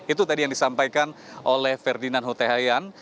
itu tadi yang disampaikan oleh ferdinand hutahayan